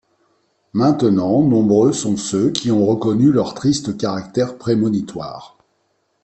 Maintenant, nombreux sont ceux qui ont reconnu leur triste caractère prémonitoire.